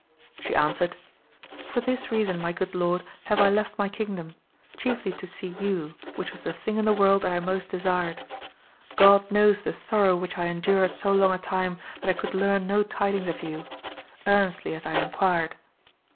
She answered, For this reason my good lord have 1 left my kingdom; chiefly to see you, which was the thing in the world that I most desired. God knows the sorrow which I endured so long a time that I could learn no tidings of you, earnestly as I enquired!